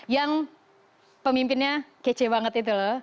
yang pemimpinnya kece banget itu loh